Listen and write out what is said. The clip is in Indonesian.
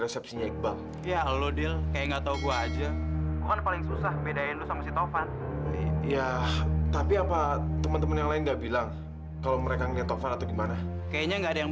sampai jumpa di video selanjutnya